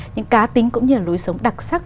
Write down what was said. những cá tính cũng như là lối sống đặc sắc